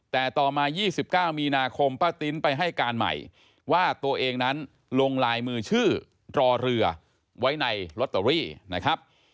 แต่ต่อมา๒๙มีนาคมป้าติ๊นไปให้การใหม่ว่าตัวเองนั้นลงลายมือชื่อรอเรือไว้ในลอตเตอรี่นะครับ